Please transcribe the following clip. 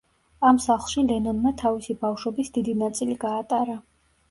ამ სახლში ლენონმა თავისი ბავშვობის დიდი ნაწილი გაატარა.